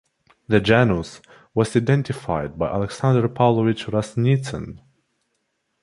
The genus was identified by Alexandr Pavlovich Rasnitsyn.